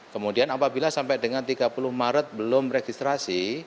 kemudian apabila sampai dengan tiga puluh maret belum registrasi